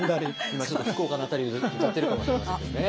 今ちょっと福岡の辺りで歌ってるかもしれませんけどね。